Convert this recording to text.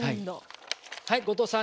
はい後藤さん